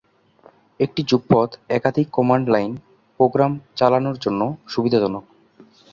এটি যুগপৎ একাধিক command line programme চালানোর জন্যে সুবিধাজনক।